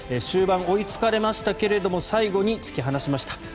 終盤追いつかれましたが最後に突き放しました。